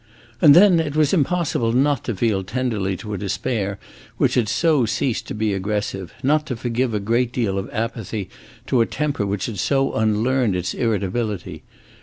And then, it was impossible not to feel tenderly to a despair which had so ceased to be aggressive not to forgive a great deal of apathy to a temper which had so unlearned its irritability.